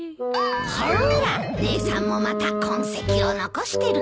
ほら姉さんもまた痕跡を残してる。